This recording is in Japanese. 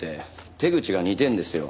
手口が似てんですよ。